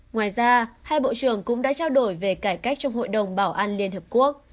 ngoài ra hai bộ trưởng cũng đã trao đổi về cải cách trong hội đồng bảo an liên hợp quốc